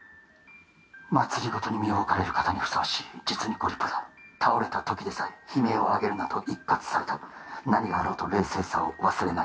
政に身を置かれる方にふさわしい実にご立派だ倒れた時でさえ悲鳴をあげるなと一喝された何があろうと冷静さを忘れない